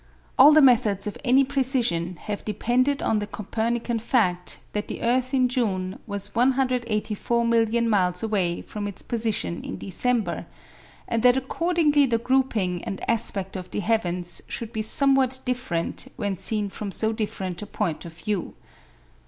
All the methods of any precision have depended on the Copernican fact that the earth in June was 184 million miles away from its position in December, and that accordingly the grouping and aspect of the heavens should be somewhat different when seen from so different a point of view.